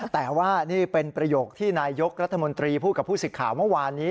แต่ว่านี่เป็นประโยคที่นายยกรัฐมนตรีพูดกับผู้สิทธิ์ข่าวเมื่อวานนี้